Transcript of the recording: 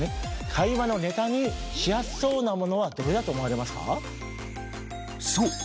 会話のネタにしやすそうなものはどれだと思われますか？